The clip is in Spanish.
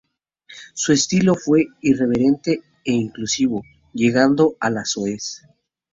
Su estilo fue irreverente e incisivo, llegando a lo soez.